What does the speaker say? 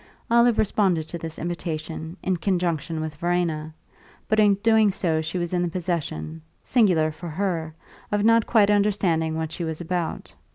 Olive responded to this invitation, in conjunction with Verena; but in doing so she was in the position, singular for her, of not quite understanding what she was about.